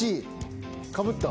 かぶった？